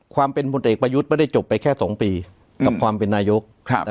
ความเป็นพลเอกประยุทธ์ไม่ได้จบไปแค่๒ปีกับความเป็นนายก